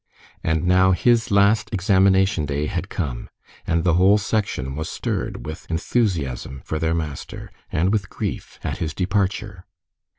And now his last examination day had come, and the whole Section was stirred with enthusiasm for their master, and with grief at his departure.